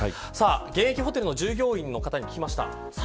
現役ホテルの従業員の方に聞きました。